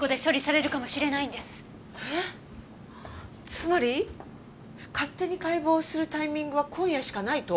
つまり勝手に解剖するタイミングは今夜しかないと？